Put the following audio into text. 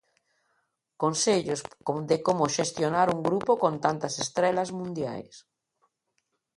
Consellos de como xestionar un grupo con tantas estrelas mundiais.